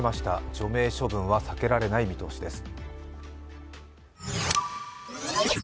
除名処分は避けられない見通しです。